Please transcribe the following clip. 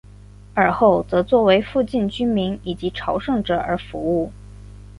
尔后则作为附近居民以及朝圣者而服务。